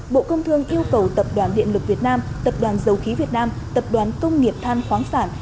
bộ công thương yêu cầu tập đoàn điện lực việt nam tập đoàn dầu khí việt nam tập đoàn công nghiệp than khoáng sản